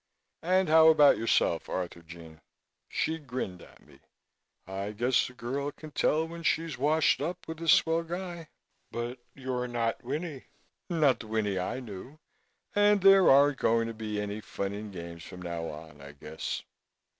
"And how about yourself, Arthurjean?" She grinned at me. "I guess a girl can tell when she's washed up with a swell guy. But you're not Winnie not the Winnie I knew and there aren't going to be any fun and games from now on, I guess."